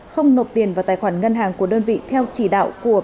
không nộp tiền vào tài khoản ngân hàng của đơn vị theo chỉ đạo của